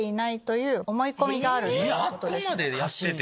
あそこまでやってて？